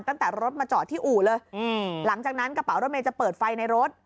ตั้งแต่รถมาจอดที่อู่เลยหลังจากนั้นกระเป๋ารถเมย์จะเปิดไฟในรถ